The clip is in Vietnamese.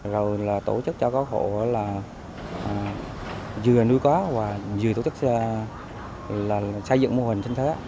rồi là tổ chức cho các hộ là vừa nuôi có và vừa tổ chức là xây dựng mô hình sinh thế